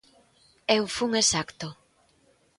Eu fun exacto.